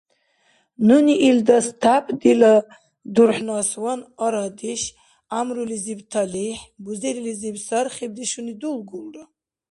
Нуни илдас, тяп дила дурхӀнасван, арадеш, гӀямрулизиб талихӀ, бузерилизир сархибдешуни дулгулра.